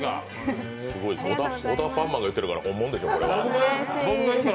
オダパンマンが言ってるから本物でしょう。